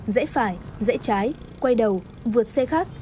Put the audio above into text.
dễ phải dễ trái quay đầu vượt xe khác